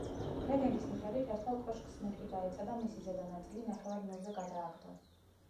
ლეგენდის მიხედვით, ერთხელ კოშკს მეხი დაეცა და მისი ზედა ნაწილი ნახევარ მილზე გადააგდო.